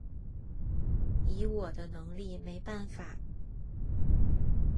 以我的能力没办法